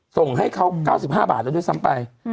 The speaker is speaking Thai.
ส่งให้เขา๙๕บาทแล้วด้วยซ้ำไป